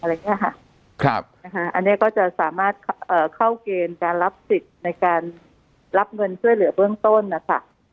อันนี้ก็จะสามารถเข้าเกณฑ์การรับสิทธิ์ในการรับเงินช่วยเหลือเบื้องต้นนะคะ